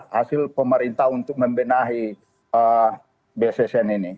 hasil pemerintah untuk membenahi bssn ini